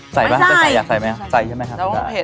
ใส่ว่าจะใส่อยากใส่ไหมครับใส่ใช่ไหมครับ